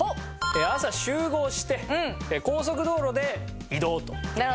朝集合して高速道路で移動と。